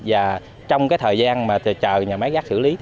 và trong thời gian chờ nhà máy rác xử lý